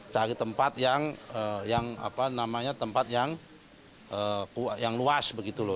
cari tempat yang luas